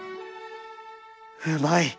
うまい！